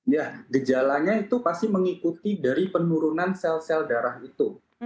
ya gejalanya itu pasti mengikuti dari penurunan sel sel darah itu